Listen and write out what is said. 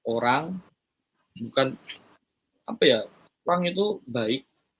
orang bukan apa ya orang itu baik